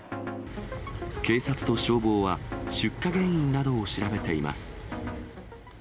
警察と消防は、出火原因などを調べています。